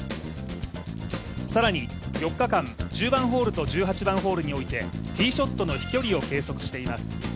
さらに４日間、１０番ホールと１８番ホールにおいてティーショットの飛距離を計測しています。